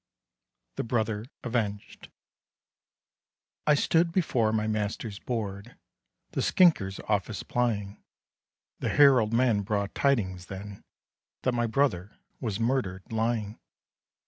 THE BROTHER AVENGED I stood before my master's board, The skinker's office plying; The herald men brought tidings then That my brother was murdered lying.